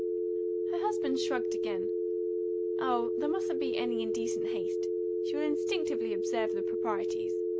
Her husband shrugged again. "Oh, there mustn't be any indecent haste. She will instinctively observe the proprieties.